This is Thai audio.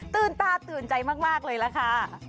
ตื่นตาตื่นใจมากเลยค่ะ